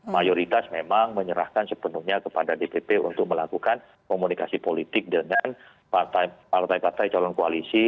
mayoritas memang menyerahkan sepenuhnya kepada dpp untuk melakukan komunikasi politik dengan partai partai calon koalisi